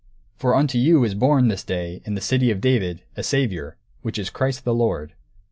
_For unto you is born, this day, in the city of David, a saviour, which is Christ the Lord.